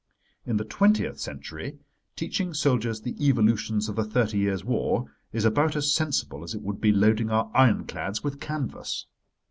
In the twentieth century, teaching soldiers the evolutions of the Thirty Years' War is about as sensible as it would be loading our iron clads with canvas.